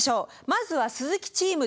まずは鈴木チーム